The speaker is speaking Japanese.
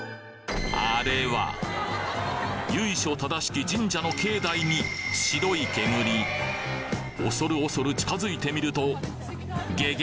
あれは由緒正しき神社の境内に恐る恐る近づいてみるとげげ！